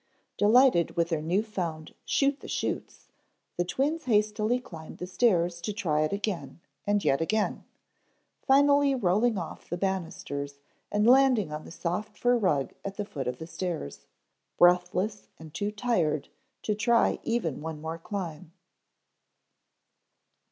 _ DELIGHTED with their new found shoot the chutes, the twins hastily climbed the stairs to try it again and yet again, finally rolling off the banisters and landing on the soft fur rug at the foot of the stairs, breathless and too tired to try even one more climb.